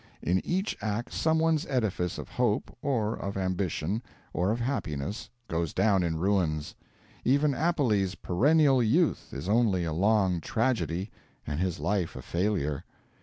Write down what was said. In each act someone's edifice of hope, or of ambition, or of happiness, goes down in ruins. Even Appelles' perennial youth is only a long tragedy, and his life a failure.